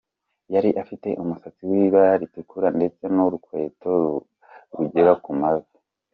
Yari afite umusatsi w’ibara ritukura ndetse n’urukweto rugera ku mavi.